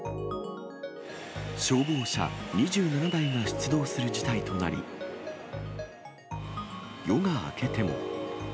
消防車２７台が出動する事態となり、夜が明けても。